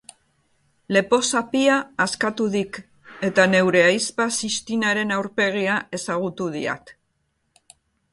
Lepozapia askatu dik, eta neure ahizpa Sixtinaren aurpegia ezagutu diat.